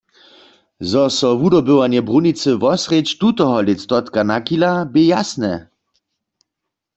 Zo so wudobywanje brunicy wosrjedź tutoho lětstotka nachila, bě jasne.